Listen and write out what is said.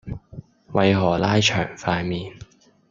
為何拉長塊面